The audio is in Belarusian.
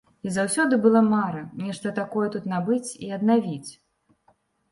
І заўсёды была мара нешта такое тут набыць і аднавіць.